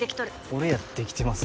俺やってできてます